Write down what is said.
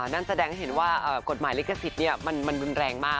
นั่นแสดงให้เห็นว่ากฎหมายลิขสิทธิ์มันรุนแรงมาก